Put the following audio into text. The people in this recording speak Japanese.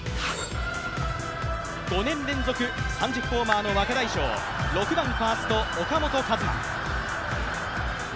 ５年連続３０ホーマーの若大将６番ファースト・岡本和真。